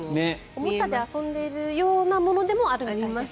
おもちゃで遊んでるようなものでもあるみたいで。